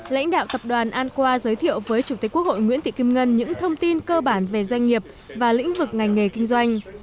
lãnh đạo tập đoàn an qua giới thiệu với chủ tịch quốc hội nguyễn thị kim ngân những thông tin cơ bản về doanh nghiệp và lĩnh vực ngành nghề kinh doanh